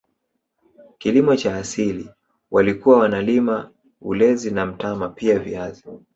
Kilimo cha asili walikuwa wanalima ulezi na mtama pia viazi